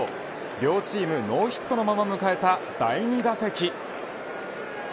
両チームノーヒットのまま迎えた第２打席。